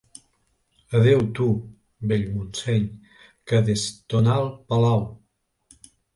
Adéu tu, vell Montseny, que des ton alt palau